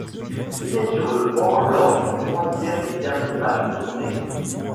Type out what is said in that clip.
Il est sur le banc lors du troisième et dernier match de son équipe.